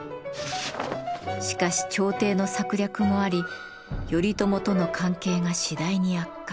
しかし朝廷の策略もあり頼朝との関係が次第に悪化。